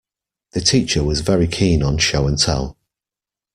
The teacher was very keen on Show and Tell.